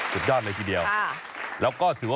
สุดยอดเลยพี่เดียว